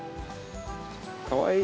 かわいい。